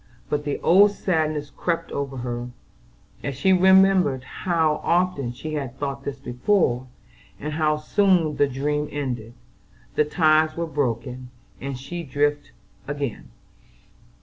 But the old sadness crept over her, as she remembered how often she had thought this before, and how soon the dream ended, the ties were broken, and she adrift again.